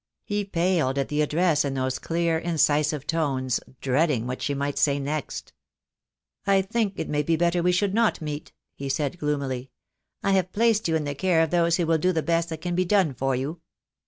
He paled at the address in those clear, incisive tones, dreading what she might say next. "I think it may be better we should not meet," he said gloomily. "I have placed you in the care of those who will do the best that can be done for you."